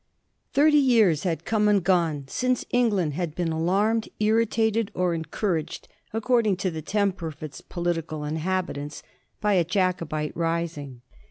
Thirty years had come and gone since England had been alarmed, irritated, or encouraged, according to the tem per of its political inhabitants, by a Jacobite rising.